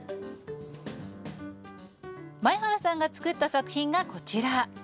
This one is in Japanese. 前原さんが作った作品がこちら。